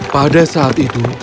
pada saat itu